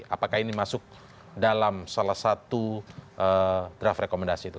apakah ini masuk dalam salah satu draft rekomendasi itu